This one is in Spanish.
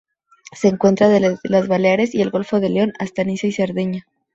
Se encuentra desde las Baleares y el Golfo de León hasta Niza y Cerdeña.